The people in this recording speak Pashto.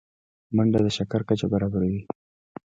منډه د شکر کچه برابروي